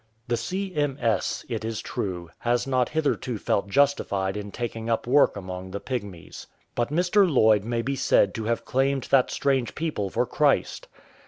The C.M.S., it is true, has not hitherto felt justified in taking up work among the Pygmies. But Mr. Lloyd may be said to have claimed that strange people for Christ.